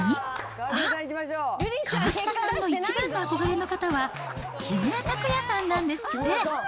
あっ、河北さんの一番の憧れの方は、木村拓哉さんなんですね。